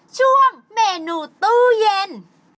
ช่วงเมนูตู้เย็น